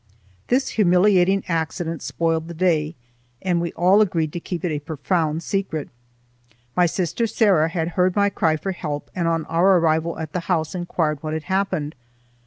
This humiliating accident spoiled the day, and we all agreed to keep it a profound secret. My sister Sarah had heard my cry for help, and on our arrival at the house inquired what had happened.